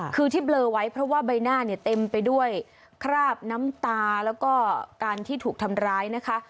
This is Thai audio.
คือที่เบลอไว้เพราะว่าใบหน้าเนี่ยเต็มไปด้วยคราบน้ำตาแล้วก็การที่ถูกทำร้ายนะคะ